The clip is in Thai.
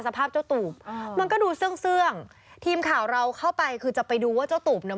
เจ้าตูบอ่ามันก็ดูเสื้องเสื้องทีมข่าวเราเข้าไปคือจะไปดูว่าเจ้าตูบเนี่ย